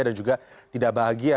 dan juga tidak bahagia